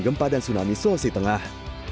gempa dan tsunami sulawesi tengah